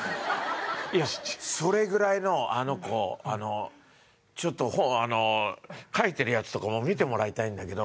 いやそれぐらいのあの子ちょっと書いてるやつとかも見てもらいたいんだけど。